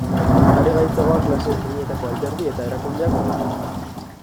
Are gaitzagoa klase desberdinetako alderdi eta erakundeak badaude.